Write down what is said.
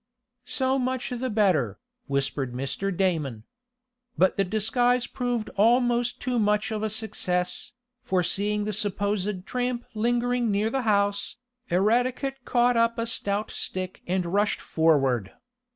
"So much the better," whispered Mr. Damon. But the disguise proved almost too much of a success, for seeing the supposed tramp lingering near the house, Eradicate caught up a stout stick and rushed forward.